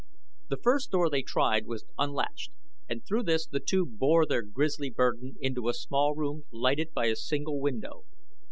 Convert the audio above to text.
The first door they tried was unlatched, and through this the two bore their grisly burden into a small room lighted by a single window.